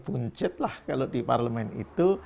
buncitlah kalau di parlemen itu